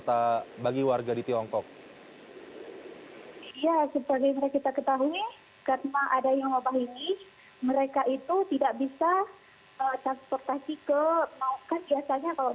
ya sebagai mereka kita ketahui karena adanya wabah ini mereka itu tidak bisa transportasi ke maungan